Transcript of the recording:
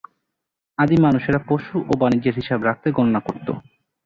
আদিম মানুষেরা পশু ও বাণিজ্যের হিসাব রাখতে গণনা করত।